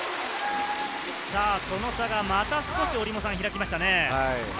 その差がまた少し開きましたね。